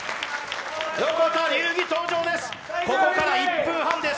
横田龍儀登場です。